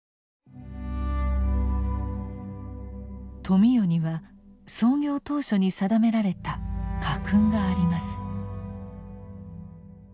富美代には創業当初に定められた家訓があります。